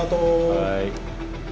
はい。